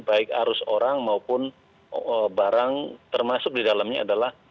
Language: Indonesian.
baik arus orang maupun barang termasuk di dalamnya adalah